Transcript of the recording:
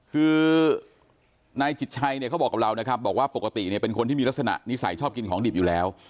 คือนายจิตชัยเนี่ยเขาบอกกับเรานะครับบอกว่าปกติเนี่ยเป็นคนที่มีลักษณะนิสัยชอบกินของดิบอยู่แล้ว